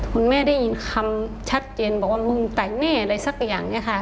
คุณแม่ได้ยินคำชัดเจนบอกว่ามึงแต่งแน่อะไรสักอย่างเนี่ยค่ะ